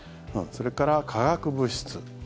それから、化学物質